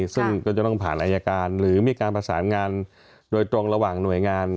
ซึ่งก็จะต้องผ่านอายการหรือมีการประสานงานโดยตรงระหว่างหน่วยงาน